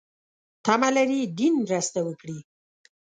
تمه لري دین مرسته وکړي.